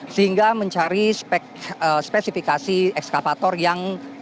sehingga mencari spesifikasi ekskavator yang